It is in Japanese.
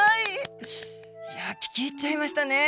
いや聞き入っちゃいましたね。